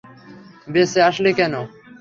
বেঁচে আসলে কেন?